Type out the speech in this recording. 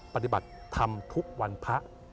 ปฏิบัติทำทุกวันพระ